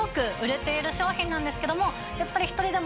やっぱり。